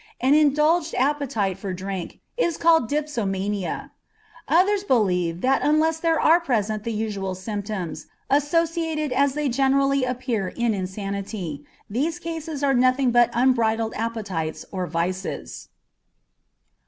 An indulged appetite for drink is called dipsomania. Others believe that unless there are present the usual symptoms, associated as they generally appear in insanity, these cases are nothing but unbridled appetites or vices.